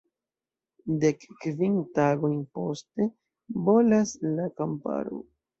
Dek kvin tagojn poste bolas la kamparo.